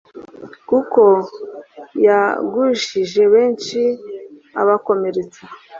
Kuko yagushije benshi abakomeretsa